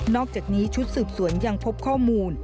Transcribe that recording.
อกจากนี้ชุดสืบสวนยังพบข้อมูล